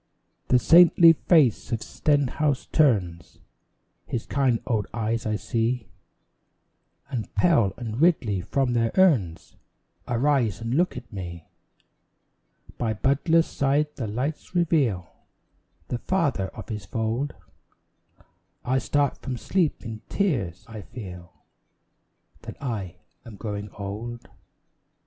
The saintly face of Stenhouse turns His kind old eyes I see; And Pell and Ridley from their urns Arise and look at me. By Butler's side the lights reveal The father of his fold, I start from sleep in tears, and feel That I am growing old.